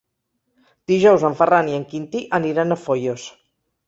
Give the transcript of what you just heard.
Dijous en Ferran i en Quintí aniran a Foios.